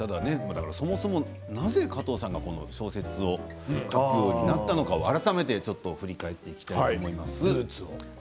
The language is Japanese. そもそも、なぜ加藤さんが小説を書くようになったのか改めて振り返っていきたいと思います。